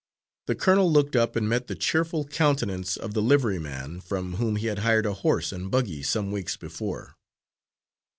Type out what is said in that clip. The colonel looked up, and met the cheerful countenance of the liveryman from whom he had hired a horse and buggy some weeks before.